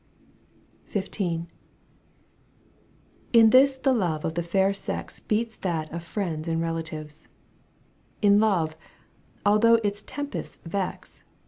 XV. In this the love of the fair sex Beats that of Mends and relatives : In love, although its tempests vex.